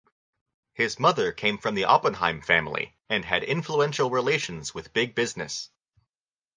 His mother came from the Oppenheim family and had influential relations with big business.